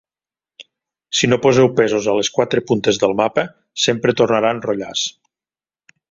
Si no poseu pesos a les quatre puntes del mapa, sempre tornarà a enrotllar-se.